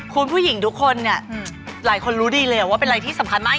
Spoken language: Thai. คุณผู้หญิงทุกคนนะหลายคนรู้ดีเลยว่ามันสำคัญมาก